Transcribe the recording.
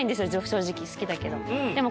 正直好きだけどでも